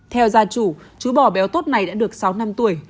theo gia chủ chú bò béo tốt này đã được sáu năm tuổi